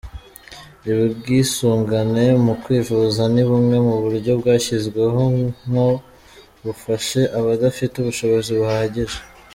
Ubwisungane mu kwivuza ni bumwe mu buryo bwashyizweho ngo bufashe abadafite ubushobozi buhagije.